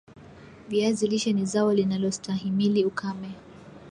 viazi lishe ni zao linalo stahimili ukame